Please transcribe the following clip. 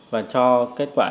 và cho kết quả sai số